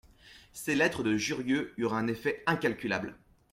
Ces lettres de Jurieu eurent un effet incalculable.